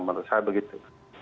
menurut saya begitu